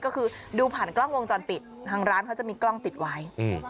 ก็คือดูผ่านกล้องวงจรปิดทางร้านเขาจะมีกล้องติดไว้อืม